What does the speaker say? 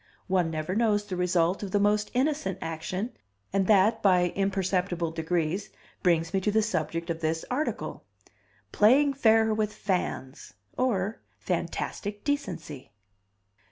One never knows the result of the most innocent action, and that, by imperceptible degrees, brings me to the subject of this article, PLAYING FAIR WITH FANS, or, FANTASTIC DECENCY.